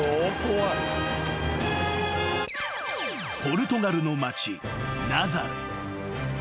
［ポルトガルの町ナザレ］